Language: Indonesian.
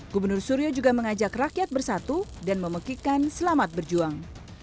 gubernur suryo juga mengajak rakyat bersatu dan memekikkan selamat berjuang